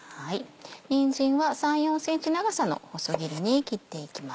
にんじんは３４ｃｍ長さの細切りに切っていきます。